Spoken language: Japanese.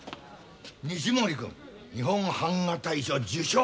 西森くん日本版画大賞受賞